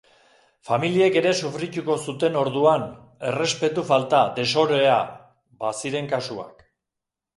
Familiek ere sufrituko zuten orduan, errespetu falta, desohorea, baziren kasuak.